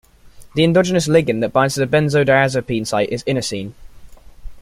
The endogenous ligand that binds to the benzodiazepine site is inosine.